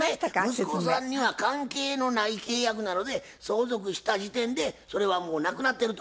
息子さんには関係のない契約なので相続した時点でそれはもうなくなってると。